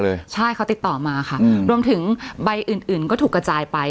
ใช่เขาติดต่อมาค่ะรวมถึงใบอื่นอื่นก็ถูกกระจายไป